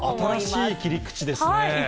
新しい切り口ですね。